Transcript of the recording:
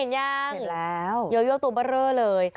เห็นไงนั่นไงฟัดเร้อเลยนะค่ะเห็นแล้ว